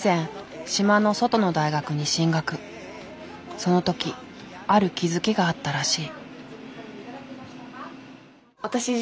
その時ある気付きがあったらしい。